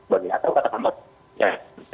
bagi atau kata kata